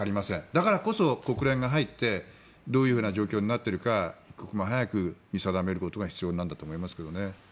だからこそ国連が入ってどういう状況になっているか一刻も早く見定めることが必要なんだと思いますけどね。